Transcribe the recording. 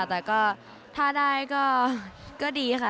แต่ก็ถ้าได้ก็ดีค่ะ